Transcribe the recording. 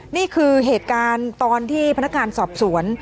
นี่คือเหตุการณ์ตอนที่พนักงานสอบสวน